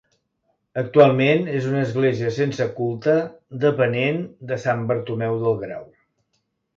Actualment és una església sense culte, depenent de Sant Bartomeu del Grau.